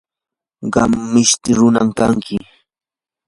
qam mishti runam kanki.